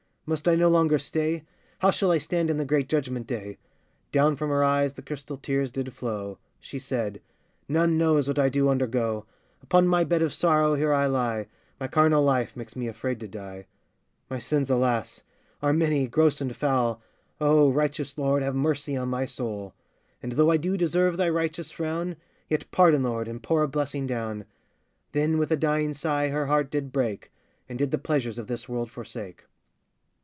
must I no longer stay? How shall I stand in the great judgment day? [Down from her eyes the crystal tears did flow: She said], None knows what I do undergo: Upon my bed of sorrow here I lie; My carnal life makes me afraid to die. My sins, alas! are many, gross and foul, Oh, righteous Lord! have mercy on my soul! And though I do deserve thy righteous frown, Yet pardon, Lord, and pour a blessing down. [Then with a dying sigh her heart did break, And did the pleasures of this world forsake.